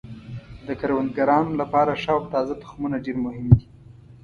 د کروندګرانو لپاره ښه او تازه تخمونه ډیر مهم دي.